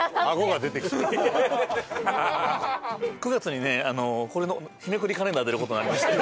９月にねこれの日めくりカレンダー出る事になりまして。